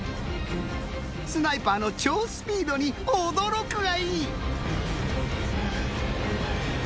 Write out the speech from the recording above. スナイパーの超スピードに驚くがいい！